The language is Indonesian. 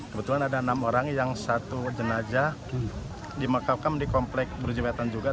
kebetulan ada enam orang yang satu jenazah dimakamkan di komplek buru jebatan juga